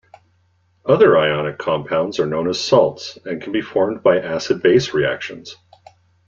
Other ionic compounds are known as salts and can be formed by acid-base reactions.